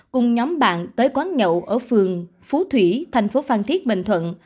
cùng nhóm bạn tới quán nhậu ở phường phú thủy thành phố phan thiết bình thuận